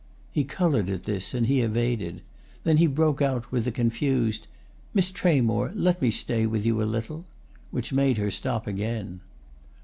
He coloured at this and he evaded; then he broke out with a confused "Miss Tramore, let me stay with you a little!" which made her stop again.